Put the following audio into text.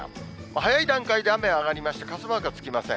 早い段階で雨は上がりまして、傘マークはつきません。